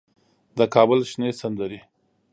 د کابل شنې سندرې